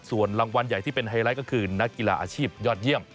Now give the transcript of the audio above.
ส่วนรางวัลใหญ่ที่เป็นไฮไลท์ก็คือนักกีฬาอาชีพยอดเยี่ยม